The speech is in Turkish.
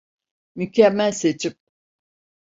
Mükemmel seçim.